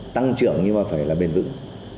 tăng trưởng nhưng phải bền vững